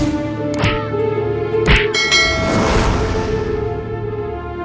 dia maksud mejor bagian di surga